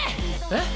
えっ？